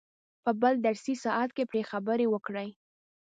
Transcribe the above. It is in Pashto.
په بل درسي ساعت کې پرې خبرې وکړئ.